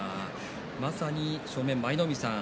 まさに正面の舞の海さん